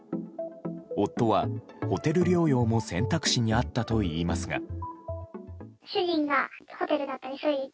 夫は、ホテル療養も選択肢にあったといいますが。